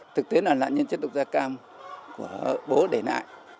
thực tế là lạ nhân chất độc gia cao của bố để lại